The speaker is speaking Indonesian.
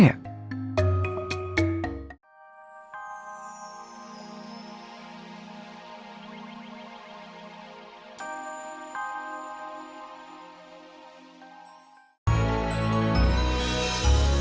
ya udah gue mau tidur